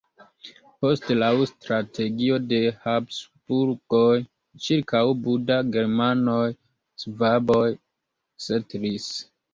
Poste laŭ strategio de Habsburgoj ĉirkaŭ Buda germanoj-ŝvaboj setlis.